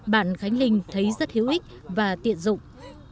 bạn khánh linh thấy rất hữu ích và tiện dụng